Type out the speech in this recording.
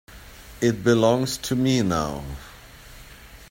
It belongs to me now.